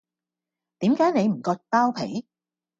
點解你唔割包皮